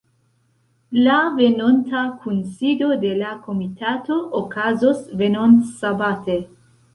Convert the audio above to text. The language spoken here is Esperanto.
La venonta kunsido de la komitato okazos venontsabate.